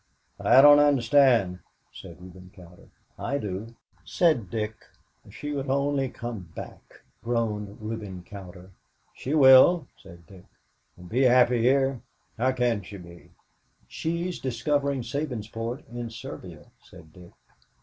"I don't understand," said Reuben Cowder. "I do," said Dick. "If she will only come back!" groaned Reuben Cowder. "She will," said Dick. "And be happy here! How can she be?" "She's discovering Sabinsport in Serbia," said Dick.